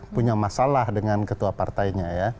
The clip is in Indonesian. punya masalah dengan ketua partainya ya